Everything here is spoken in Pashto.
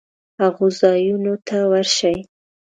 هغو ځایونو ته ورشي